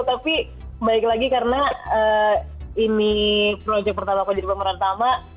tapi baik lagi karena ini proyek pertama aku jadi pemeran utama